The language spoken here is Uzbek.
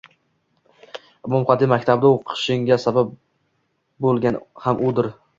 Imom Xatib maktabida o'qishingga sabab bo'lgan ham udir.